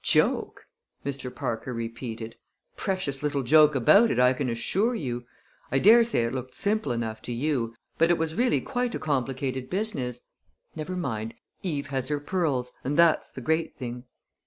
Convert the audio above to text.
"Joke!" Mr. Parker repeated. "Precious little joke about it, I can assure you. I dare say it looked simple enough to you, but it was really quite a complicated business. Never mind, Eve has her pearls and that's the great thing."